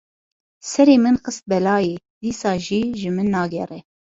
Serê min xist belayê dîsa jî ji min nagere.